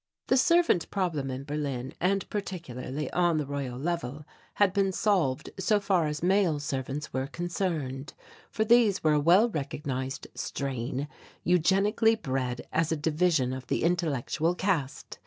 The Servant problem in Berlin, and particularly on the Royal Level, had been solved so far as male servants were concerned, for these were a well recognized strain eugenically bred as a division of the intellectual caste.